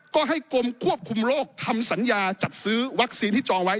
ก็ให้กรมควบคุมโรคทำสัญญาจัดซื้อวัคซีนที่จองไว้